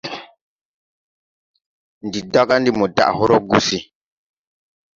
Ndi daga ndi mo daʼ hodrɔ gusi.